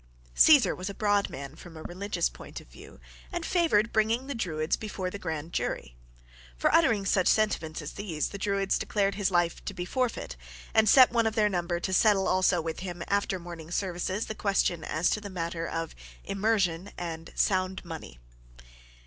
Caesar was a broad man from a religious point of view, and favored bringing the Druids before the grand jury. For uttering such sentiments as these the Druids declared his life to be forfeit, and set one of their number to settle also with him after morning services the question as to the matter of immersion and sound money.